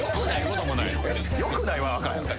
「よくない」はあかんやろ。